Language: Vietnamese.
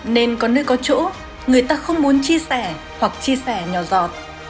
nên có nơi có chỗ người ta không muốn chia sẻ hoặc chia sẻ nhỏ giọt